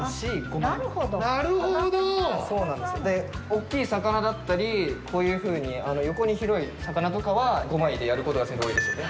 大きい魚だったりこういうふうに横に広い魚とかは５枚でやることが先生多いですよね。